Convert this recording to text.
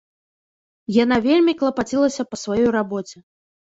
Яна вельмі клапацілася па сваёй рабоце.